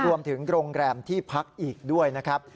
รวมถึงโรงแรมที่พักอีกด้วยนะครับ